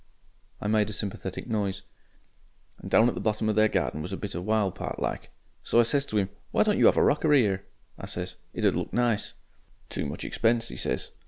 I made a sympathetic noise. "And down at the bottom of their garden was a bit of wild part like. So I says to 'im, 'Why don't you 'ave a rockery 'ere?' I says. 'It 'ud look nice.' "'Too much expense,' he says.